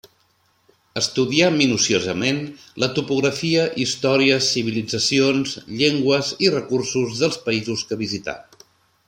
Estudià minuciosament la topografia, història, civilitzacions, llengües, i recursos dels països que visità.